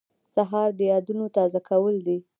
سهار د یادونو تازه کول دي.